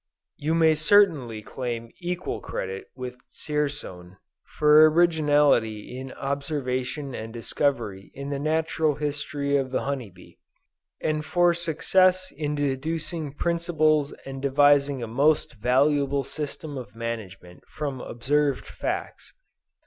You may certainly claim equal credit with Dzierzon for originality in observation and discovery in the natural history of the honey bee, and for success in deducing principles and devising a most valuable system of management from observed facts.